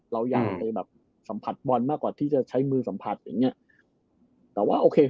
เราอยากไปแบบสัมผัสบอลมากกว่าที่จะใช้มือสัมผัสอย่างเงี้ยแต่ว่าโอเค